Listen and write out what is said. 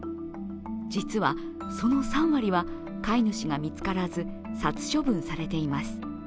実は、その３割は飼い主が見つからず殺処分されています。